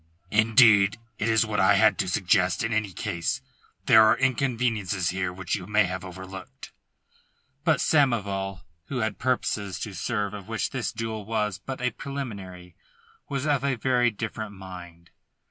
"Indeed it is what I had to suggest in any case. There are inconveniences here which you may have overlooked." But Samoval, who had purposes to serve of which this duel was but a preliminary, was of a very different mind.